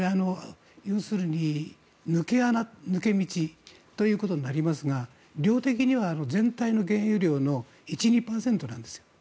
要するに抜け穴、抜け道ということになりますが量的には全体の原油量の１２％なんです。